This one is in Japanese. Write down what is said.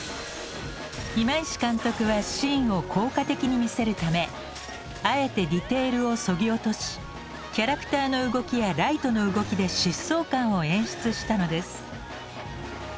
今石監督はシーンを効果的に見せるためあえてディテールをそぎ落としキャラクターの動きやライトの動きで疾走感を演出したのです。